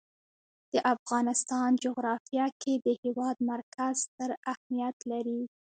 د افغانستان جغرافیه کې د هېواد مرکز ستر اهمیت لري.